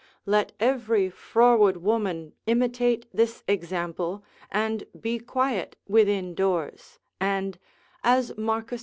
Let every froward woman imitate this example, and be quiet within doors, and (as M.